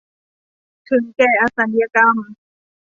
ถึงแก่อสัญกรรม